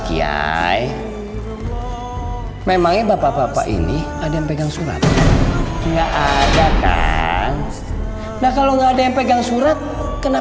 kiai memangnya bapak bapak ini ada yang pegang surat nggak ada kan nah kalau nggak ada yang pegang surat kenapa pada akhirnya